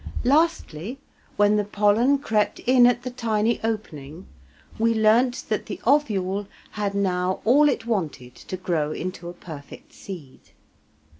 Lastly, when the pollen crept in at the tiny opening we learnt that the ovule had now all it wanted to grow into a perfect seed.